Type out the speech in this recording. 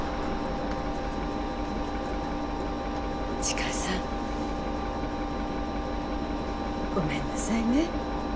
千佳さんごめんなさいね。